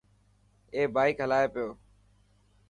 اي بائڪ هلائي پيو.